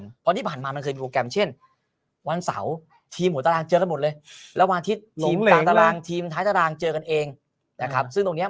เพราะที่ผ่านมามันคือโปรแกรมเช่นวันเสาร์ทีมหัวตารางเจอกันหมดเลย